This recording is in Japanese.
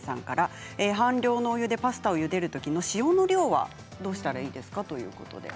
半量のお湯でパスタをゆでる時の塩の量はどうしたらいいですか？